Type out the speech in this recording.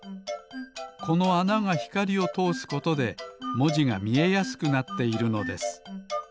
このあながひかりをとおすことでもじがみえやすくなっているのです。